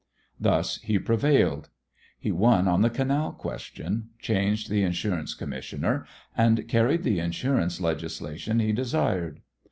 Thus he prevailed. He won on the canal question, changed the insurance commissioner, and carried the insurance legislation he desired.